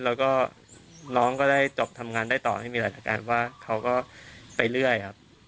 แล้วก็น้องก็ได้จบทำงานได้ต่อให้มีหลายอาการว่าเขาก็ไปเรื่อยครับ